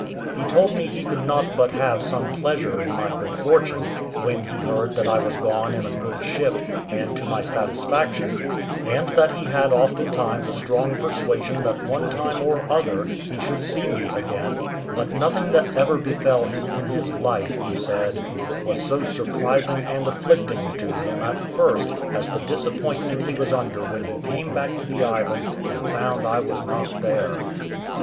He told me he could not but have some pleasure in my good fortune, when he heard that I was gone in a good ship, and to my satisfaction; and that he had oftentimes a strong persuasion that one time or other he should see me again, but nothing that ever befell him in his life, he said, was so surprising and afflicting to him at first as the disappointment he was under when he came back to the island and found I was not there.